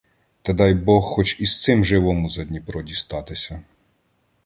Та дай Бог хоч із цим живому за Дніпро дістатися.